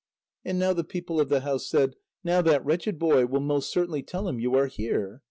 And now the people of the house said: "Now that wretched boy will most certainly tell him you are here."